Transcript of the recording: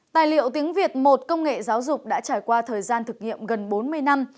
tài liệu tiếng việt một công nghệ giáo dục đã trải qua thời gian thực nghiệm gần bốn mươi năm